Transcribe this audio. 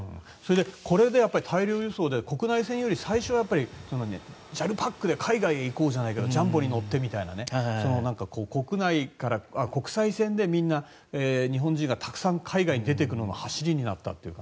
これで大量輸送で国内線より最初はジャルパックで海外に行こうじゃないけどジャンボに乗ってという国内から国際線でみんな日本人がたくさん海外に出ていくのの走りになったというか。